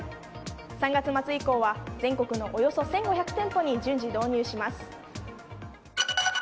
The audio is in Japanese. ３月末以降は全国のおよそ１５００店舗に順次、導入します。